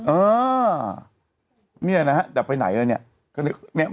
อาอแน่ฮะแต่ไปไหนล่ะเนี่ย